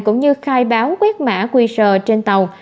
cũng như khai báo quét mã quy rờ trên tàu